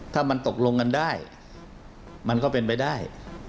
ถ้ามันตกลงกันได้มันก็เป็นไปได้